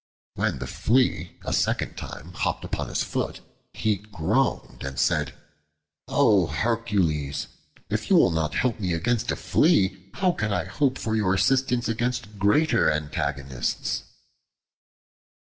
When the Flea a second time hopped upon his foot, he groaned and said, "O Hercules! if you will not help me against a Flea, how can I hope for your assistance against greater antagonists?"